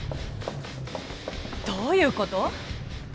どういうこと？